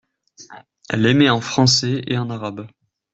Elle émet en français et en arabe.